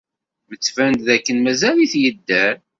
Yettban-d dakken mazal-it yedder.